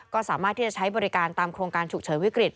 ก็สามารถที่จะใช้บริการตามโครงการฉุกเฉินวิกฤต